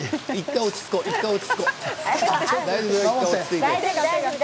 １回落ち着こう。